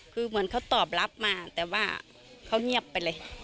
คือเหมือนเขาตอบรับมาแต่ว่าเขาเงียบไปเลย